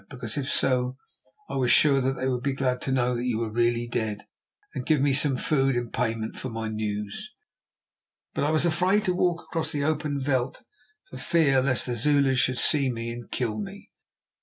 Because if so, I was sure that they would be glad to know that you were really dead, and give me some food in payment for my news. But I was afraid to walk across the open veld for fear lest the Zulus should see me and kill me.